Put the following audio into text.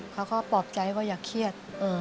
เขาก็ปลอบใจว่าอย่าเครียด